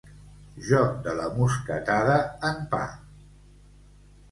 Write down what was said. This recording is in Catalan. Joc de la mosquetada en pa.